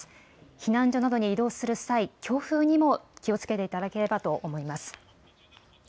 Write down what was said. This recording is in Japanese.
避難所などに移動する際、強風にも気をつけていただければと思います。